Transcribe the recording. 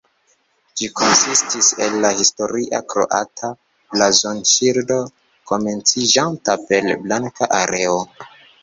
Ĝi konsistis el la historia kroata blazonŝildo, komenciĝanta per blanka areo.